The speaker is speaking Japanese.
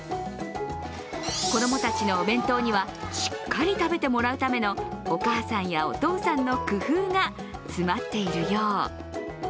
子供たちのお弁当にはしっかり食べてもらうためのお母さんやお父さんの工夫が詰まっているよう。